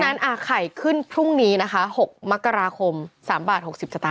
เพราะฉะนั้นไข่ขึ้นพรุ่งนี้นะคะ๖มกราคม๓บาท๖๐จตา